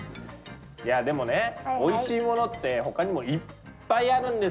いやでもねおいしいものってほかにもいっぱいあるんですよ？